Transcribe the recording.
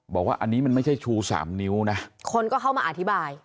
บอกว่าอันนี้มันไม่ใช่ชูสามนิ้วนะคนก็เข้ามาอธิบาย